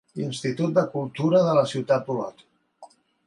Institut de Cultura de la Ciutat d'Olot.